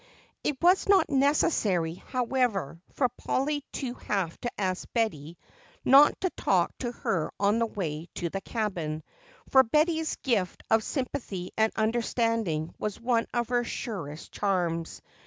It was not necessary, however, for Polly to have to ask Betty not to talk to her on their way to the cabin, for Betty's gift of sympathy and understanding was one of her surest charms.